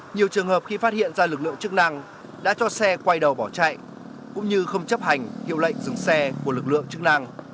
nhiều trường hợp khi phát hiện ra lực lượng chức năng đã cho xe quay đầu bỏ chạy cũng như không chấp hành hiệu lệnh dừng xe của lực lượng chức năng